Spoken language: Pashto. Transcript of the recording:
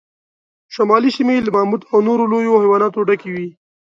شمالي سیمې له ماموت او نورو لویو حیواناتو ډکې وې.